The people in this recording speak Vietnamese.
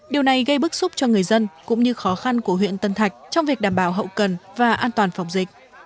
điều này gây bức xúc cho người dân cũng như khó khăn của huyện tân thạch trong việc đảm bảo hậu cần và an toàn phòng dịch